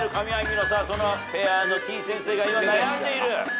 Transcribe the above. そのペアのてぃ先生が今悩んでいる。